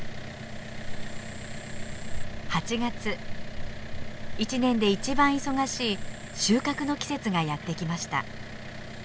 ８月一年で一番忙しい収穫の季節がやって来ました。